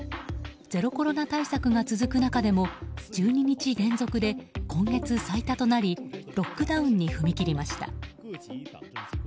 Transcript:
ゼロコロナ対策が続く中でも１２日連続で今月最多となりロックダウンに踏み切りました。